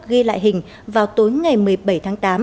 ghi lại hình vào tối ngày một mươi bảy tháng tám